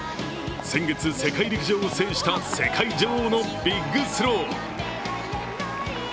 先月、世界陸上を制した世界女王のビッグスロー。